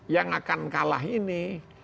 yang akan kalah ini